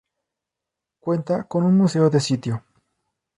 Cuenta con un museo de sitio.